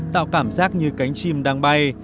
tạo cảm giác như cánh chim đang bay